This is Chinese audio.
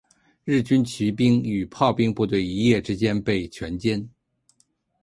日军骑兵与炮兵部队一夜之间被全歼。